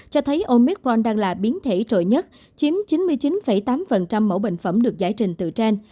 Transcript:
cho thấy omicron đang là biến thể trội nhất chiếm chín mươi chín tám mẫu bệnh phẩm được giải trình từ trên